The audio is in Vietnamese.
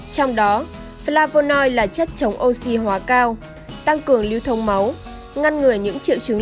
trong đó flavonoid là chất chống oxy hóa cao tăng cường lưu thông máu ngăn ngửa những triệu chứng